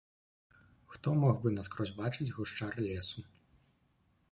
Хто мог бы наскрозь бачыць гушчар лесу?